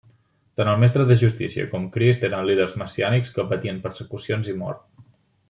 Tant el Mestre de Justícia com Crist eren líders messiànics que patien persecucions i mort.